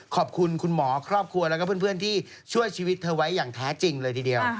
ขอบคุณคุณหมอครอบครัวแล้วก็เพื่อนที่ช่วยชีวิตเธอไว้อย่างแท้จริงเลยทีเดียว